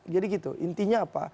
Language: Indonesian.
jadi gitu intinya apa